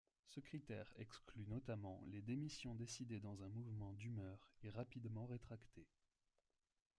Ce critère exclut notamment les démissions décidées dans un mouvement d'humeur et rapidement rétractées.